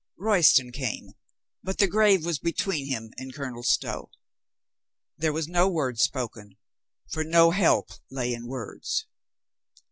Royston came, but the grave was between him and Colonel Stow. There was no word spoken, for no help lay in words.